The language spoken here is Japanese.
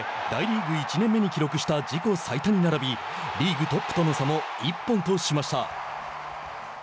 これで大リーグ１年目に記録した自己最多に並びリーグトップとの差も１本としました。